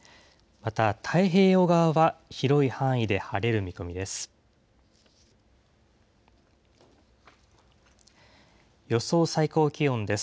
また、太平洋側は広い範囲で晴れる見込みです。